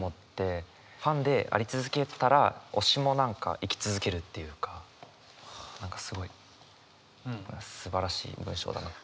ファンであり続けたら推しも何か生き続けるっていうか何かすごいすばらしい文章だなと。